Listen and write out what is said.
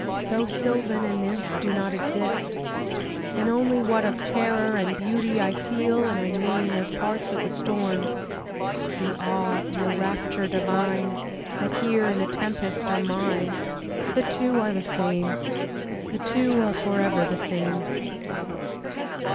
Though Sylvan and Nymph do not Exist, and only what Of terror and beauty I feel and I name As parts of the storm, the awe and the rapture divine That here in the tempest are mine, The two are the same, the two are forever the same.